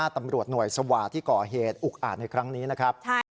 ตำรวจหน่วยสวาที่ก่อเหตุอุกอาจในครั้งนี้นะครับ